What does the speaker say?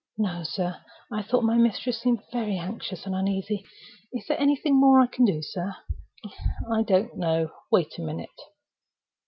"No, sir. I thought my mistress seemed very anxious and uneasy. Is there anything more I can do, sir?" "I don't know. Wait a minute."